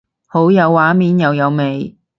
好有畫面又有味